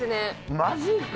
マジか！